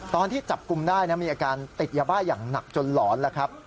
ตอนที่จับกลุ่มได้นะมีอาการติดยาบ้าอย่างหนักจนหลอนแล้วครับ